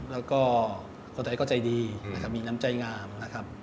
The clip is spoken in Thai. แล้วก็คนไทยก็ใจดีนะครับมีน้ำใจงามนะครับ